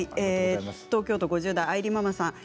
東京都５０代の方。